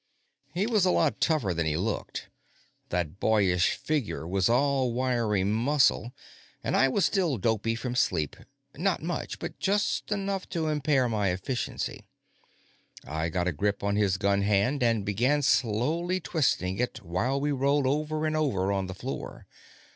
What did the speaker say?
He was a lot tougher than he looked. That boyish figure was all wiry muscle, and I was still dopey from sleep not much, but just enough to impair my efficiency. I got a grip on his gun hand and began slowly twisting it while we rolled over and over on the floor.